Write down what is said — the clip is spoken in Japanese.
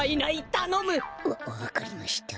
たのむ！わわかりました。